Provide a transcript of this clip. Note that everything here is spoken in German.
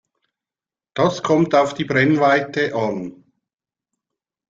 Das kommt auf die Brennweite an.